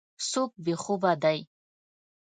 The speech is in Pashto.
څوک بې خوبه دی.